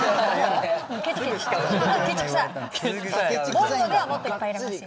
ぼんごではもっといっぱい入れますよ。